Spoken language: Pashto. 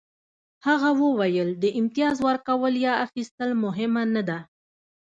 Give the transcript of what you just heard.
هغه وویل د امتیاز ورکول یا اخیستل مهمه نه ده